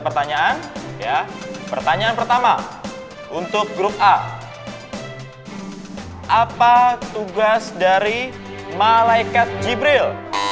pertanyaan ya pertanyaan pertama untuk grup a apa tugas dari malaikat jibril